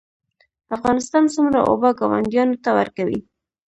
افغانستان څومره اوبه ګاونډیانو ته ورکوي؟